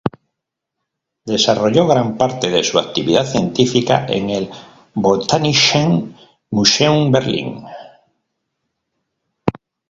Desarrolló gran parte de su actividad científica en el Botanischen Museum Berlin.